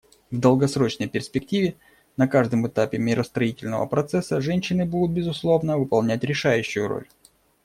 В долгосрочной перспективе на каждом этапе миростроительного процесса женщины будут, безусловно, выполнять решающую роль.